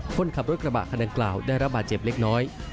คนขับรถกระบะคันดังกล่าวได้รับบาดเจ็บเล็กน้อย